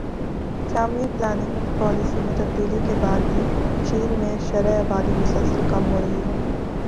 family planning policy میں تبدیلی کے بعد بھی چین میں شرح آبادی مسلسل کم ہو رہی ہے